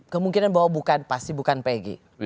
kemungkinan bahwa bukan pasti bukan pg